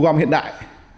thu gom hiện đại